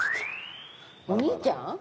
お兄ちゃん？